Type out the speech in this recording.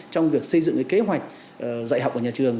trong việc xây dựng cái kế hoạch dạy học ở nhà trường